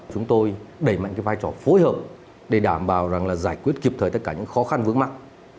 chúng tôi đẩy mạnh vai trò phối hợp để đảm bảo giải quyết kịp thời tất cả những khó khăn vướng mắt